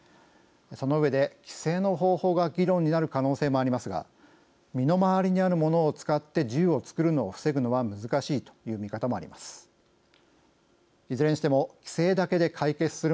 その上で規制の方法が議論になる可能性もありますが身の回りにあるものを使って銃を作るのを防ぐのは難しいという見方もあります。